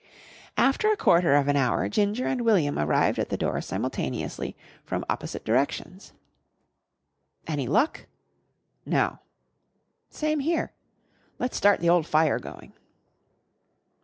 After a quarter of an hour Ginger and William arrived at the door simultaneously from opposite directions. "Any luck?" "No." "Same here. Let's start the old fire going."